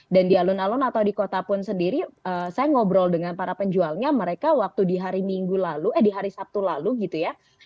dan di alun alun atau di kota pun sendiri saya ngobrol dengan para penjualnya mereka waktu di hari minggu lalu eh di hari sabtu lalu gitu ya